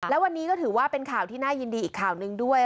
และวันนี้ก็ถือว่าเป็นข่าวที่น่ายินดีอีกข่าวหนึ่งด้วย